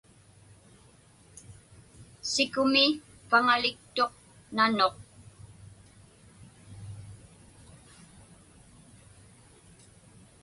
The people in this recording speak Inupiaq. Sikumi paŋaliktuq nanuq.